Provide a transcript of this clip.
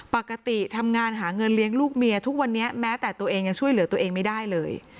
ปกติทำงานหาเงินเลี้ยงลูกเมียทุกวันนี้แม้แต่ตัวเองยังช่วยเหลือตัวเองไม่ได้เลย